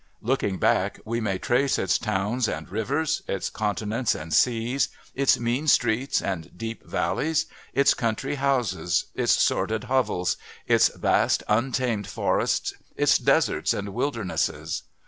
Looking back, we may trace its towns and rivers, its continents and seas, its mean streets and deep valleys, its country houses, its sordid hovels, its vast, untamed forests, its deserts and wildernesses.